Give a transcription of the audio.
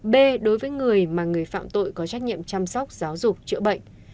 b đối với người mà người phạm tội có trách nhiệm chăm sóc giáo dục chữa bệnh